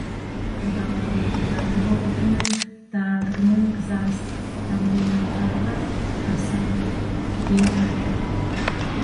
კუ და მორიელი დამეგობრდნენ დაადგნენ გზას და მდინარე დახვდათ გასავლელი მდინარე